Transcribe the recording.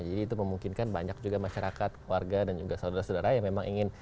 jadi itu memungkinkan banyak juga masyarakat warga dan juga saudara saudara yang memang ingin